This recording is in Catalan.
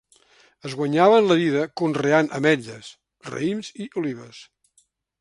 Es guanyaven la vida conreant ametlles, raïms i olives.